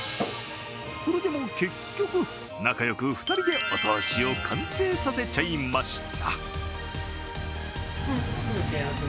それでも結局、仲良く２人でお通しを完成させちゃいました。